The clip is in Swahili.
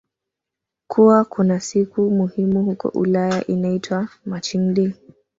kuwa kunasiku muhimu huko Ulaya inaitwa marching day